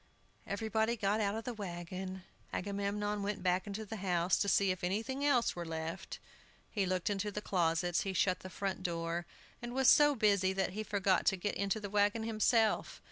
Everybody got out of the wagon. Agamemnon went back into the house, to see if anything else were left. He looked into the closets; he shut the front door, and was so busy that he forgot to get into the wagon himself.